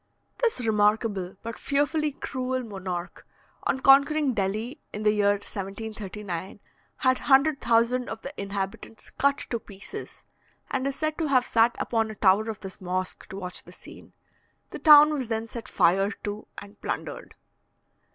This remarkable, but fearfully cruel monarch, on conquering Delhi in the year 1739, had 100,000 of the inhabitants cut to pieces, and is said to have sat upon a tower of this mosque to watch the scene. The town was then set fire to and plundered.